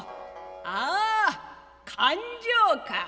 「ああ勘定か。